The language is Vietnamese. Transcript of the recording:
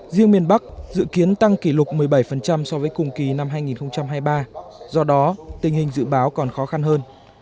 riêng miền bắc dự kiến tăng kỷ lục một mươi bảy so với cùng kỳ năm hai nghìn hai mươi ba do đó tình hình dự báo còn khó khăn hơn